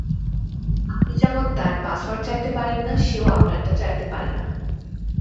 আপনি যেমন তাঁর পাসওয়ার্ড চাইতে পারেন না, সেও আপনারটা চাইতে পারে না।